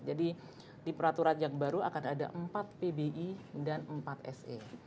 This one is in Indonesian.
jadi di peraturan yang baru akan ada empat pbi dan empat se